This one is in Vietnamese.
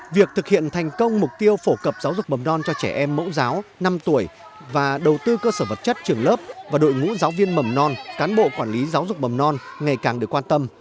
việc thực hiện thành công mục tiêu phổ cập giáo dục mầm non cho trẻ em mẫu giáo năm tuổi và đầu tư cơ sở vật chất trường lớp và đội ngũ giáo viên mầm non cán bộ quản lý giáo dục mầm non ngày càng được quan tâm